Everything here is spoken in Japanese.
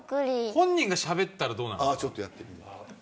本人がしゃべったらどうなるんですか。